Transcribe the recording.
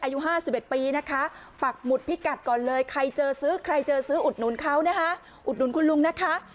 อายุห้าสิบเอ็ดปีนะคะปักหมุดพิกัดก่อนเลยใครเจอซื้อใครเจอซื้ออุดหนุนเขานะคะ